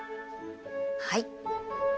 はい。